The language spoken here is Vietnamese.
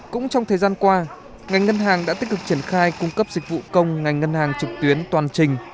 cũng trong thời gian qua ngành ngân hàng đã tích cực triển khai cung cấp dịch vụ công ngành ngân hàng trực tuyến toàn trình